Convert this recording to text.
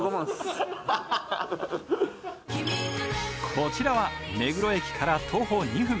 こちらは目黒駅から徒歩２分